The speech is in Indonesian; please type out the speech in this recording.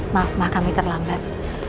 maaf maaf kami terlambat